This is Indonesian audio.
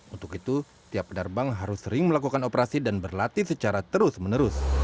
untuk itu tiap penerbang harus sering melakukan operasi dan berlatih secara terus menerus